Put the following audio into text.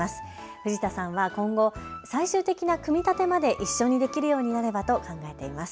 藤田さんは今後、最終的な組み立てまで一緒にできるようになればと考えています。